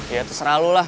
ya terserah lo lah